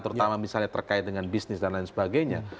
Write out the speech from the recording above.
terutama misalnya terkait dengan bisnis dan lain sebagainya